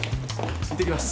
いってきます。